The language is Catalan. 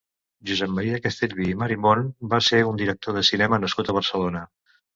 Josep Maria Castellví i Marimon va ser un director de cinema nascut a Barcelona.